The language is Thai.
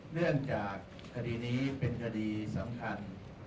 เนื่องจากคดีนี้เป็นคดีสำคัญ